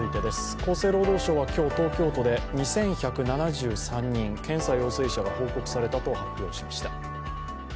厚生労働省は今日東京都で２１７３人、検査陽性者が報告されたと発表しました。